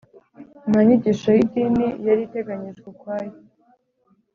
Nta nyigisho y'idini yari iteganijwe ukwayo.